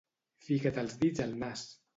Fica't els dits al nas!